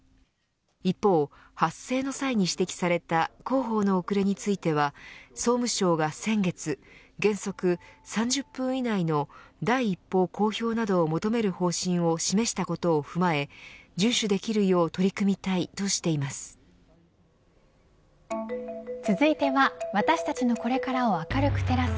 一方、発生の際に指摘された広報の遅れについては総務省が先月原則３０分以内の第一報公表などを求める方針を示したことを踏まえ順守できるよう取り組みたいとしています。